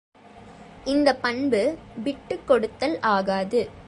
இந்தப் பண்பு விட்டுக் கொடுத்தல் ஆகாது.